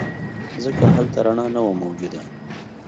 ځکه هلته رڼا نه وه موجوده.